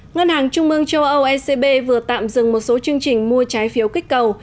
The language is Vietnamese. ngân hàng trung ương châu âu ecb vừa tạm dừng một số chương trình mua trái phiếu kích cầu